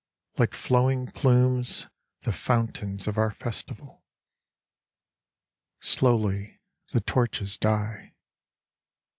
Like fl owing plumes, the fountains of our festival 10 Cormicopia. Slowly the torches die.